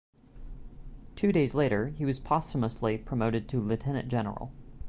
Two days later, he was posthumously promoted to Lieutenant General.